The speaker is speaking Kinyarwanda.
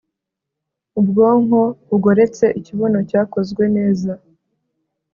ubwonko bugoretse, ikibuno cyakozwe neza